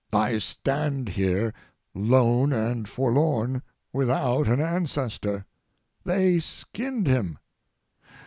I stand here, lone and forlorn, without an ancestor. They skinned him!